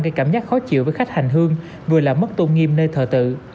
gây cảm giác khó chịu với khách hành hương vừa là mất tôn nghiêm nơi thờ tự